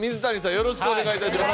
よろしくお願いします。